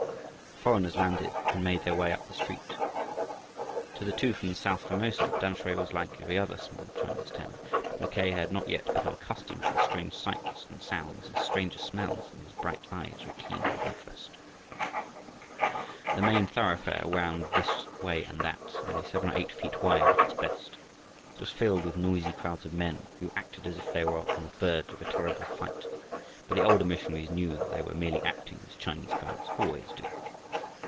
The foreigners landed and made their way up the street. To the two from south Formosa, Tamsui was like every other small Chinese town, but Mackay had not yet become accustomed to the strange sights and sounds and stranger smells, and his bright eyes were keen with interest. The main thoroughfare wound this way and that, only seven or eight feet wide at its best. It was filled with noisy crowds of men who acted as if they were on the verge of a terrible fight. But the older missionaries knew that they were merely acting as Chinese crowds always do.